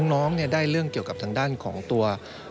น้องได้เรื่องเกี่ยวกับทางด้านของตัว